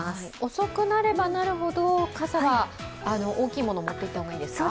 遅くなればなるほど傘は大きいものを持っていったほうがいいですか。